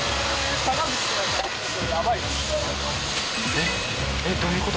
えっ？